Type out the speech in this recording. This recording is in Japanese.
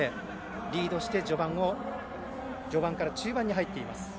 リードして序盤から中盤に入っています。